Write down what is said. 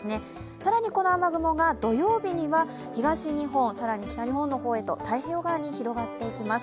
更にこの雨雲が土曜日には東日本、更に北日本の方へと太平洋側に広がっていきます。